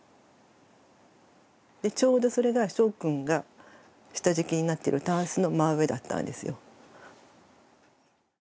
ちょうどそれがしょうくんが下敷きになってるタンスの真上だったんですよ。